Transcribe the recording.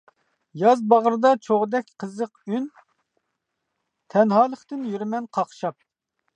ياز باغرىدا چوغدەك قىزىق ئۈن، تەنھالىقتىن يۈرىمەن قاقشاپ.